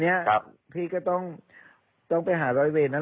เพราะว่าตอนแรกมีการพูดถึงนิติกรคือฝ่ายกฎหมาย